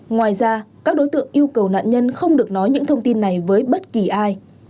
ngoài ra các đối tượng yêu cầu nạn nhân không được nói những thông tin này với bất kỳ ai